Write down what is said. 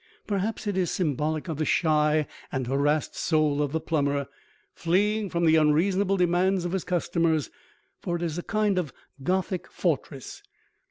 Perhaps it is symbolic of the shy and harassed soul of the plumber, fleeing from the unreasonable demands of his customers, for it is a kind of Gothic fortress.